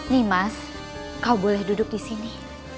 nimas kau boleh duduk di sini